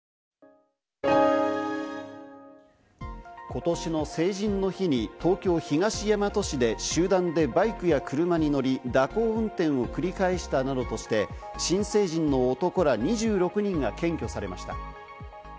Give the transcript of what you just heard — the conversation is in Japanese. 今年の成人の日に東京・東大和市で集団でバイクや車に乗り、蛇行運転を繰り返したなどとして新成人の男ら２６人が検挙されました。